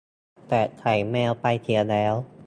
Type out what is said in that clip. แต่ ไข่แมว ไปเสียแล้ว